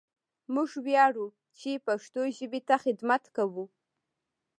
موږ وياړو چې پښتو ژبې ته خدمت کوو!